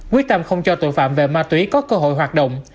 quyết tâm không cho tội phạm về ma túy có cơ hội hoạt động